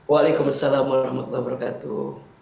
waalaikumsalam warahmatullahi wabarakatuh